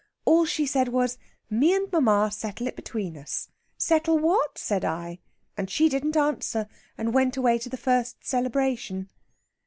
All she said was, 'Me and mamma settle it between us.' 'Settle what?' said I; and she didn't answer, and went away to the first celebration."